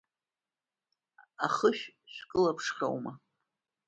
Ахышә шәкылԥшхьоума?